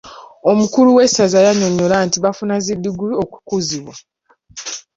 Omukulu w'esazza yannyonyola nti baafuna zi diguli okukuzibwa.